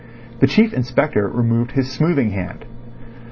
The Chief Inspector removed his smoothing hand.